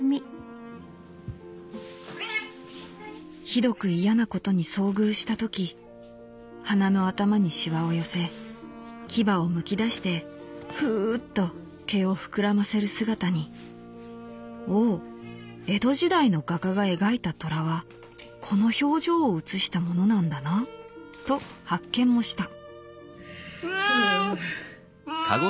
「ひどく嫌なことに遭遇した時鼻の頭に皺を寄せ牙を剥き出してフウッと毛を膨らませる姿に『おお江戸時代の画家が描いた虎はこの表情を写したものなんだな』と発見もした」。